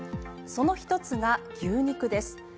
その１つが牛肉です。